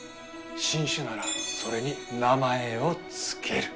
新種ならそれに名前を付ける。